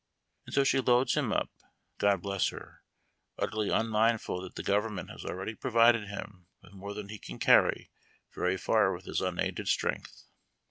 td'so she lolds him up God bless her ! nttery un mindful that the government has ■' ^^3' Pr cle hun with more than he can carry very far with h,s unaided strength.